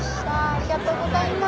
ありがとうございます。